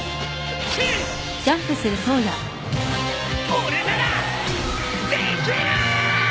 俺ならできるっ！